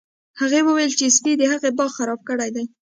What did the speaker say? هغې وویل چې سپي د هغې باغ خراب کړی دی